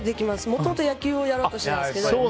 もともと野球をやろうとしてたんですけど。